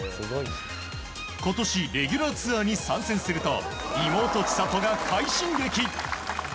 今年レギュラーツアーに参戦すると妹・千怜が快進撃。